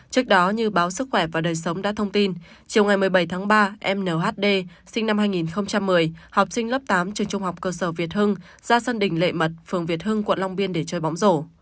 trước đó như báo sức khỏe và đời sống đã thông tin chiều ngày một mươi bảy tháng ba em nhd sinh năm hai nghìn một mươi học sinh lớp tám trường trung học cơ sở việt hưng ra sân đình lệ mật phường việt hưng quận long biên để chơi bóng rổ